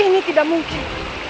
ini tidak mungkin